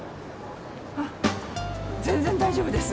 あっ全然大丈夫です。